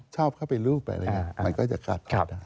ชอบเข้าไปลูกไปมันก็จะกัด